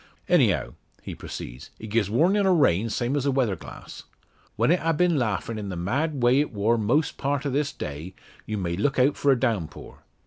"Anyhow," he proceeds, "it gies warnin' o' rain, same as a weather glass. When it ha' been laughin' in the mad way it wor most part o' this day, you may look out for a downpour.